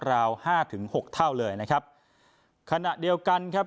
ราวห้าถึงหกเท่าเลยนะครับขณะเดียวกันครับ